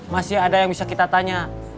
masih ada yang bisa kita tanya